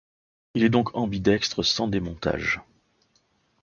Il est donc ambidextre sans démontage.